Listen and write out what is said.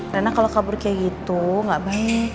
nana kalau kabur kayak gitu gak baik